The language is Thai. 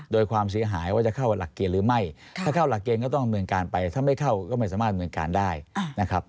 โดยความเสียหายว่าจะเข้าหลักเกณฑ์หรือไม่ถ้าเข้าหลักเกณฑ์ก็ต้องดำเนินการไปถ้าไม่เข้าก็ไม่สามารถดำเนินการได้นะครับ